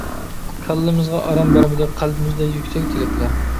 كاللىمىزغا ئارام بەرمىدى، قەلبىمىزدە يۈكسەك تىلەكلەر.